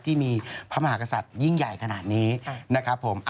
ที่มีพระมหากษัตริย์ยิ่งใหญ่ขนาดนี้นะครับผม